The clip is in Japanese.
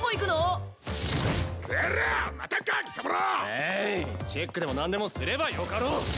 ええいチェックでも何でもすればよかろう。